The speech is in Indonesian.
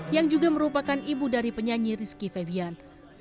yang juga merupakan ibu dari penyanyi rizky febian